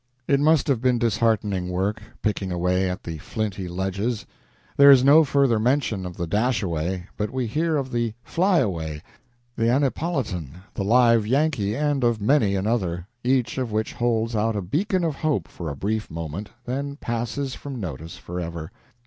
It must have been disheartening work, picking away at the flinty ledges. There is no further mention of the "Dashaway," but we hear of the "Flyaway," the "Annipolitan," the "Live Yankee," and of many another, each of which holds out a beacon of hope for a brief moment, then passes from notice forever.